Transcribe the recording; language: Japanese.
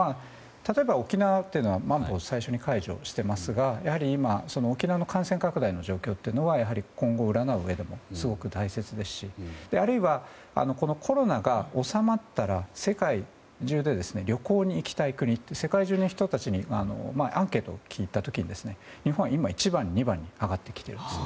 例えば、沖縄というのはまん防を最初に解除していますがやはり今、沖縄の感染拡大の状況はやはり今後を占ううえでもすごく大切ですしあるいはコロナが収まったら世界中で旅行に行きたい国を世界中の人たちにアンケートを聞いた時に日本は今、１番、２番に挙がってきているんです。